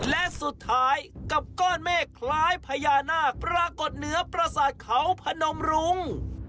และสุดท้ายกับก้อนเมฆคล้ายพญานาคปรากฏเหนือประสาทเขาพนมรุง